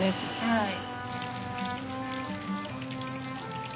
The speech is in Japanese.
はい。